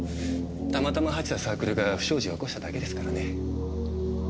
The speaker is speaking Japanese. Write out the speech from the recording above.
たまたま入ってたサークルが不祥事を起こしただけですからね。